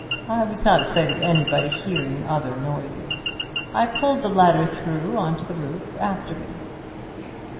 I was not afraid of anybody hearing other noises. I pulled the ladder through on to the roof after me.